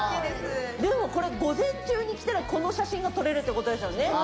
でもこれ午前中に来たらこの写真が撮れるって事ですよね？